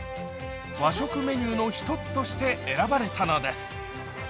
和食メニューの１つとして選ばれたのです。